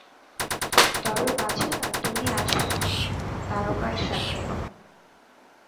তবে, বাছা, তুমি আছো তারকার সাথে।